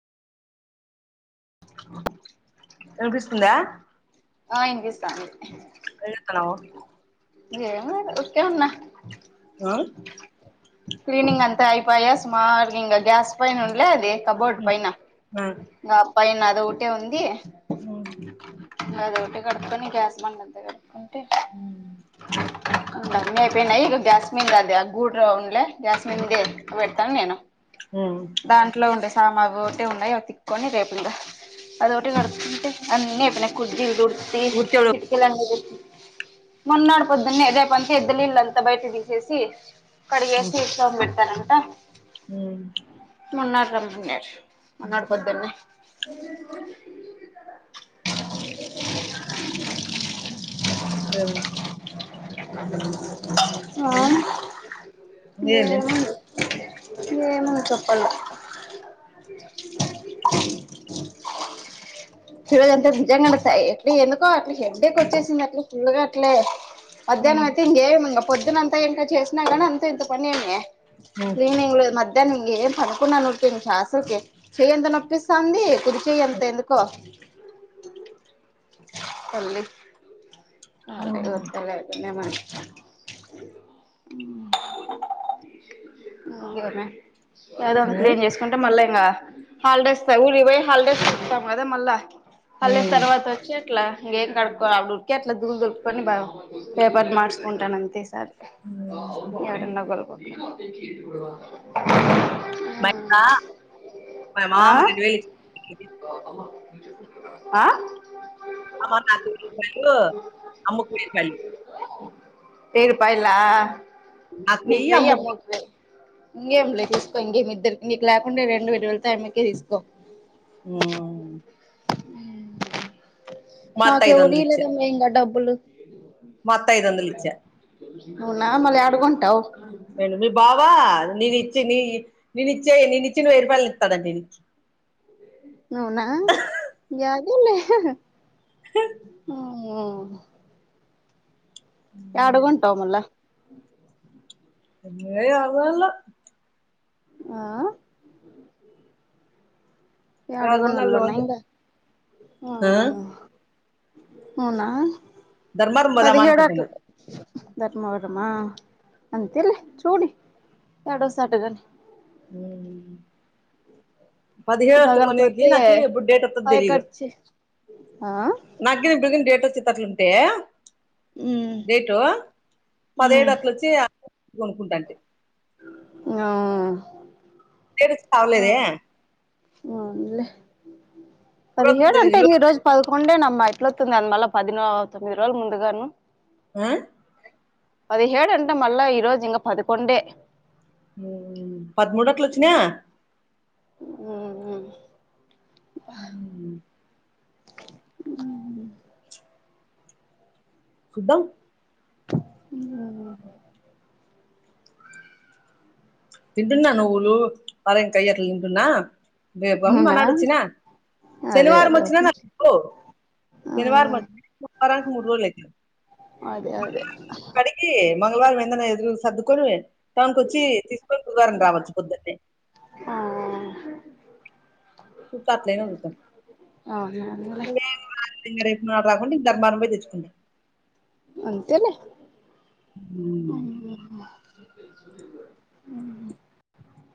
[unintelligible] [unintelligible] వినిపిస్తుందా ఏం చేస్తున్నావు ఏమొ ఒరికే ఉన్నా ఆ క్లీనింగ్ అంతా అయిపోయా సుమారుగా ఇంకా గ్యాస్ పైన ఉండలే అది కబోర్డు పైన ఆ పైన అదే ఒకటే ఉంది. అవును అది ఒకటి కడుపుకొని గ్యాస్ బండంతా కడుపుకుంటే, అన్ని అయిపోయినాయి, ఇగా గ్యాస్ మీద అది గుండ్రంగా ఉన్లే, గ్యాస్ మీదనే ఎక్కువ పెడతాను, నేను ఉమ్ దాంట్లో ఉండే, ఆ మాకు ఒకటే ఉన్నాయి, అవి తిక్కకుని రేపు అదోకటి కడుగుతే అన్ని అయిపోయాయి. కుర్చీలు తుడిచి ఊరికే కిటికీలు అన్ని మొన్నడుపోద్దున్న రేపంతా ఎద్దలి ఇళ్ళంతా బయట తీసేసి కడిగేసి దీపం పెట్టానంటే, ఉ మున్నాడు రామనాడు, మున్నాడు పొద్దునే నీళ్ల సౌండ్ ఏమే ఆ ఏమైంది లేమి ఏమన్న చెప్పలే చరజంతా నిజంగాస్తాయి, ఎట్ ఎందుకో హెడ్ఎక్ వచ్చేసింది, అట్లా ఫుల్గా అట్లే మధ్యాహ్నం ఉమ్ అయితే ఇంకే ఇ పొద్దునంతా ఇంకా చేసినా కానీ అంత ఇంత పని ఏమ ఉమ్ ఈవినింగ్ మధ్య దాన్నిం ఏం పనుకున్నాను ఉటిగానే కాస్త చెయి అంత నొప్పి వేసింది, నొస్తానంది కుడి చేయి అంత ఎందుకో తల్లీ నాకే ఓపిక లేదు ఉందిలే అదంత క్లీన్ చేసుకుంటే మళ్ళా ఇంకా హాలిడేస్, ఊరికి పోయి హాలిడేస్ కు వస్తాం కదా మళ్ళీ హాలిడేస్ ఉమ్ తర్వాత వచ్చి, అట్లా ఎం కడుకొనాకా ఇట్లా దుము దులుపుకొని బా పేపర్ మార్చుకుంటాను, అంతే సారి కొచ్చి సౌండ్ మాటన మా ఆ మామ పండేన్ను వేయిలు ఆ అమ్మ కు నాకు వేయిరూపాయలు, అమ్ము కి వేయిరూపాయలు, వేయిరూపాయల నాకు నీకు వెయ్యి వేయి అమ్ముకు వెయ్యి అమ్ముకి వేయి ఇంకేమిలే తీసుకో ఇంకేమి ఇద్దరికి నీకు లేకుండా రెండు వేయిలు వెళ్తా అమ్మకే తీసుకో ఉ అత్త మాకు ఎవరు ఇయలేదమి ఇంకా డబ్బులు మొత్త ఐదు వందలు ఇచ్చా అవునా మళ్ల ఏడ కొంటావ ఏంటి మీ బావా నీది ఇచ్చినీ నీనుచే నీ నిచ్చిన వెయ్యిరూపాల్ హ మ్మె ఈయనకి ఎడకొంటావ్మళ్ళా ఎ అల్లుళ్ళు ఆ ఎవరికొన్నాళ్ళు ఏడుగనులున్నాయి అంటే ఇంకా ఆ అవునా ధర్మారం మోదం అనుకుంటన ధర్మావర్మా అంతలే చుడి ఎడోసట్గని ఉ హు పదిహేనట్టుకొనికి సగలికొతే నాకి ప్పుడు డేట్ అతందో పై తెలిదు ఖర్చి ఆ నాకేం బ డేట్ వచ్చేద్ అట్ల ఉంటా ఉమ్ డేటు పదిహేడు ఉమ్ అట్ల వచ్చి కొనుకుంటంటే న్య [unintelligible] అ లే పదిహేడు అంటే ఇన్ని ఈ రోజు పదుకొ ండే నమ్మా ఇట్లతుంది అందు మళ్ళీ పదిో తొమ్మిది రోజులు ముందుగాను మ్మ్ పదిహేడు అంటే మళ్ళా ఈరోజు ఇంక పదకొండే పదమూడట్లు వచ్చినయ ఉఉ బ ఉ కుద్దాం ఉ తింటున్న నువ్వులు వరం కయట్ల తింటన్నా బేబం అవునా మనడు వచ్చిన అదే శనివారం అదే వచ్చినా కు ఆ శనివారం [unintelligible] న వారనికి మురోజు లేైతే అదే అదే మంగళవారం ఏందన్నా ఎదరు సర్దుకొని టౌన్ కు వచ్చి తీసుకొని బుధవారం రావచ్చు పొద్దనే ఆ త చూత్త అట్లేనే ఉంటం అవునవునులే ఇంగ రేపు రాకుండా నా ధర్మారం రం పోయి తెచ్చుకుంట అంతేలే ఉ ఉమ్.